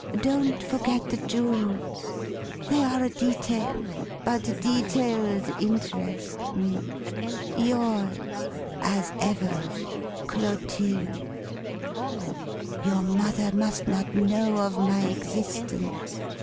Don't forget the jewels. They are a detail, but details interest me. "Yours as ever, "CLOTILDE." "Your mother must not know of my existence.